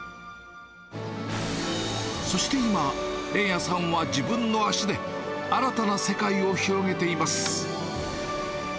そして今、連也さんは自分の足で、新たな世界を広げています。